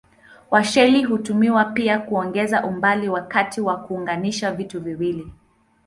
Washeli hutumiwa pia kuongeza umbali wakati wa kuunganisha vitu viwili.